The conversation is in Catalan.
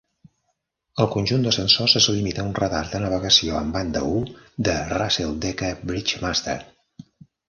El conjunt de sensors es limita a un radar de navegació en banda I de Racel Decca Bridgemaster.